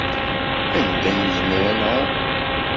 Anda i nezmer ad nɛumm?